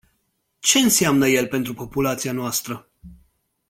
Ce înseamnă el pentru populația noastră?